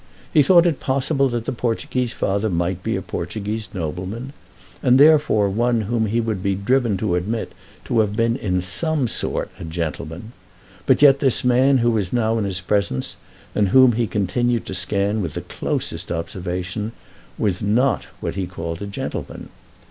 He thought it possible that the Portuguese father might be a Portuguese nobleman, and therefore one whom he would be driven to admit to have been in some sort a gentleman; but yet this man who was now in his presence and whom he continued to scan with the closest observation, was not what he called a gentleman.